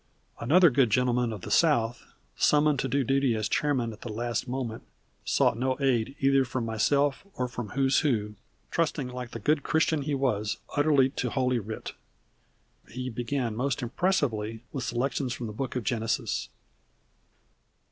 Another good gentleman in the South, summoned to do duty as chairman at the last moment, sought no aid either from myself or from "Who's Who," trusting, like the good Christian he was, utterly to Holy Writ. He began most impressively with selections from the Book of Genesis.